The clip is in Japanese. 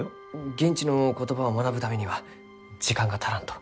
現地の言葉を学ぶためには時間が足らんと。